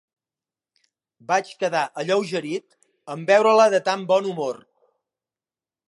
Vaig quedar alleugerit en veure-la de tant bon humor.